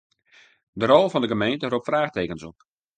De rol fan 'e gemeente ropt fraachtekens op.